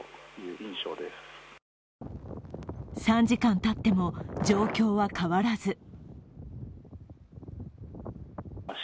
３時間たっても状況は変わらず。